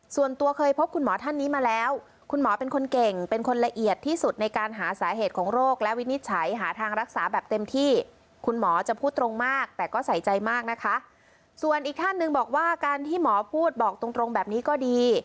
ส่วนอีกขั้นหนึ่งบอกว่าการที่หมอพูดบอกตรงแบบนี้ก็ดี